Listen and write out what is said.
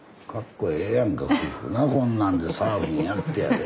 こんなんでサーフィンやってやで。